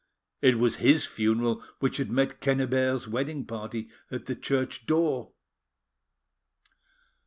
It was his funeral which had met Quennebert's wedding party at the church door.